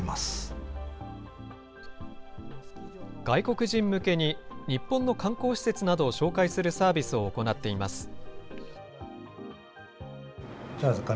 外国人向けに、日本の観光施設などを紹介するサービスを行っています。